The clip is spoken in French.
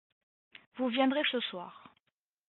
Vous viendrez ce soir.